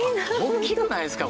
大きくないですか？